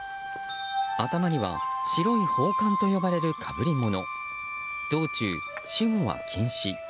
頭には白い宝冠と呼ばれる被り物道中、私語は禁止。